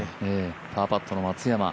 パーパットの松山。